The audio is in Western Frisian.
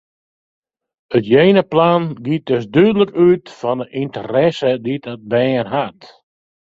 It jenaplan giet dus dúdlik út fan de ynteresses dy't it bern hat.